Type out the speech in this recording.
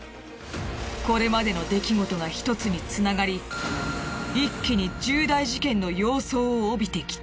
これまでの出来事が１つにつながり一気に重大事件の様相を帯びてきた。